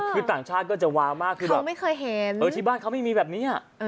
คือต่างชาติก็จะวาวมากที่บ้านเขาไม่มีแบบนี้